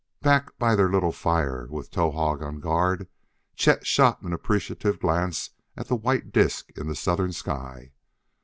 Back by their little fire, with Towahg on guard, Chet shot an appreciative glance at a white disk in the southern sky.